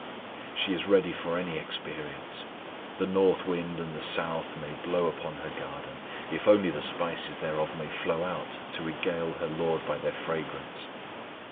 She is ready for any experience: the north wind and the south may blow upon her garden, if only the spices thereof may flow out to regale her LORD by their fragrance.